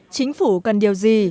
chính phủ cần điều gì